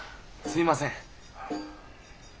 すいません。